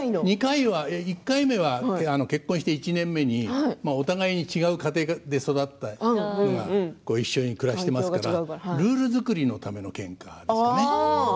１回目は結婚して１年目にお互いに違う家庭で育ったのがそれが一緒に暮らしていますからルール作りのためのけんかですね。